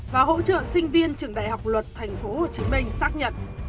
và hỗ trợ sinh viên trường đại học luật tp hcm xác nhận